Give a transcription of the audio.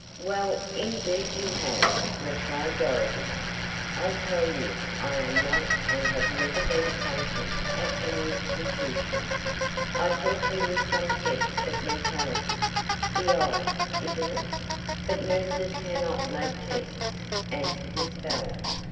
"Well, indeed you have," replied Dorothy. "I tell you I am not and have never been a patient at any institution. I thought there was some test of mentality the eye, isn't it?" "But nurses cannot make tests," answered Miss Bell.